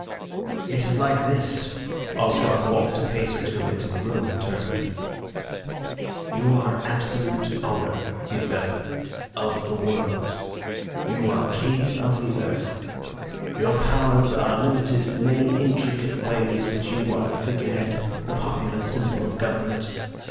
"It is like this." Ostrog walked a pace or two into the room and turned. "You are absolute owner," he said, "of the world. You are King of the Earth. Your powers are limited in many intricate ways, but you are the figure head, the popular symbol of government.